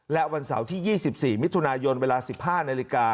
และวันเสาร์ที่๒๔มิถุนายนเวลา๑๕นาฬิกา